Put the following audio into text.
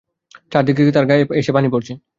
চারদিক থেকে তার গায়ে পানি এসে পড়ছে।